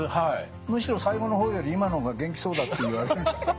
むしろ最後の方より今の方が元気そうだって言われる。